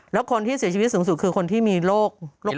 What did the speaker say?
แล้วคนที่เสียชีวิตสูงสุดคือคนที่มีโรค